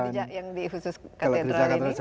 kalau di khusus katedral ini berapa